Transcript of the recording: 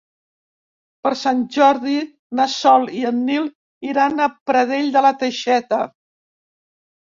Per Sant Jordi na Sol i en Nil iran a Pradell de la Teixeta.